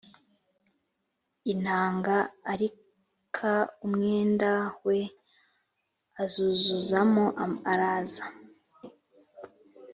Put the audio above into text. intanga ar ka umwenda we azuzuzamo araza